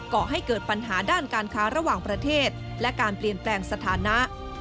ก่อให้เกิดปัญหาด้านการค้าระหว่างประเทศและการเปลี่ยนแปลงสถานะ